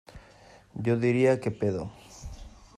Yo diría que pedo.